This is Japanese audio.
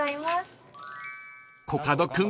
［コカド君